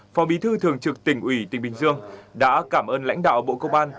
phó bí thư thường trực tỉnh ủy tỉnh bình dương đã cảm ơn lãnh đạo bộ công an